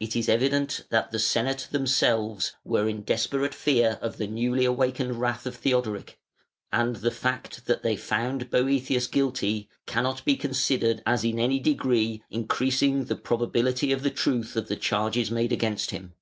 It is evident that the Senate themselves were in desperate fear of the newly awakened wrath of Theodoric, and the fact that they found Boëthius guilty cannot be considered as in any degree increasing the probability of the truth of the charges made against him.